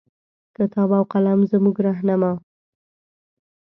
کتاب او قلم زمونږه رهنما